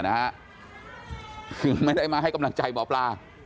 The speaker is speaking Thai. คือไม่ได้มาให้กำลังใจหมอปลา